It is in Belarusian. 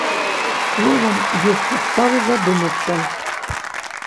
Словам, ёсць падставы задумацца.